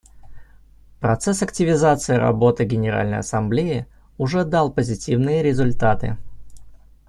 Процесс активизации работы Генеральной Ассамблеи уже дал позитивные результаты.